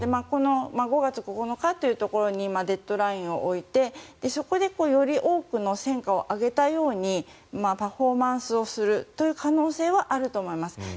この５月９日というところにデッドラインを置いて、そこでより多くの戦果を上げたようにパフォーマンスをするという可能性はあると思います。